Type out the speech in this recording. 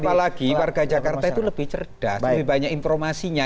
apalagi warga jakarta itu lebih cerdas lebih banyak informasinya